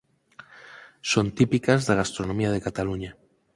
Son típicas da gastronomía de Cataluña.